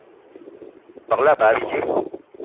Begela ebag bíjé